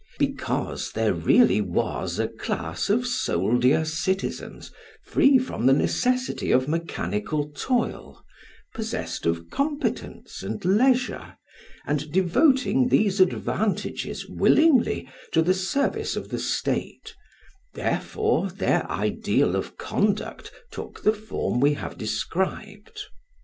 Because there really was a class of soldier citizens free from the necessity of mechanical toil, possessed of competence and leisure, and devoting these advantages willingly to the service of the State, therefore their ideal of conduct took the form we have described.